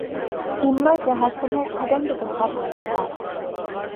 ئىملا جەھەتتىمۇ قەدەمدە بىر خاتالىق بار.